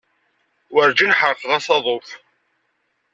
Werǧin ḥerqeɣ asaḍuf.